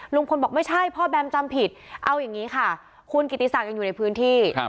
ลุงพลบอกไม่ใช่พ่อแบมจำผิดเอาอย่างนี้ค่ะคุณกิติศักดิ์อยู่ในพื้นที่